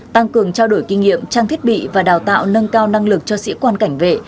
tăng cường trao đổi kinh nghiệm trang thiết bị và đào tạo nâng cao năng lực cho sĩ quan cảnh vệ